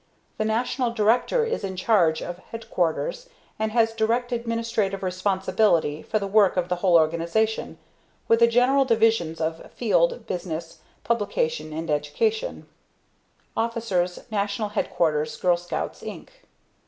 The National Director is in charge of Headquarters and has direct administrative responsibility for the work of the whole organization with the general divisions of Field, Business, Publication and Education. "Be Prepared" [Illustration: Girl Scout Logo] Officers, National Headquarters Girl Scouts, Inc.